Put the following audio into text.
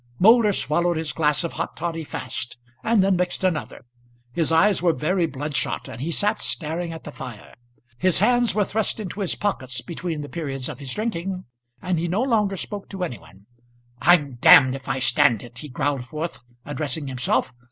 Moulder swallowed his glass of hot toddy fast, and then mixed another. His eyes were very bloodshot, and he sat staring at the fire. His hands were thrust into his pockets between the periods of his drinking, and he no longer spoke to any one. "I'm if I stand it," he growled forth, addressing himself.